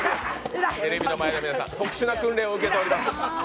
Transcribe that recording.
テレビの前の皆さん、特殊な訓練を受けています。